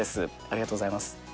ありがとうございます。